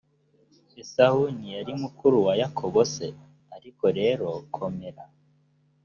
esawu ntiyari mukuru wa yakobo se ariko rero komera